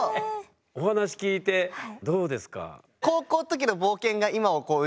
お話聞いてどうですか？